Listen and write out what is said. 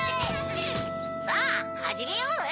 さぁはじめようぜ！